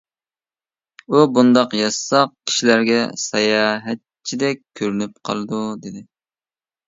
ئۇ بۇنداق يازساق «كىشىلەرگە ساياھەتچىدەك كۆرۈنۈپ قالىدۇ» دېدى.